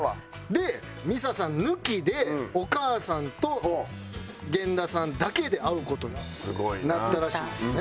で美彩さん抜きでお母さんと源田さんだけで会う事になったらしいんですね。